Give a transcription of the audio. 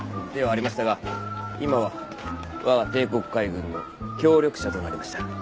ではありましたが今はわが帝国海軍の協力者となりました。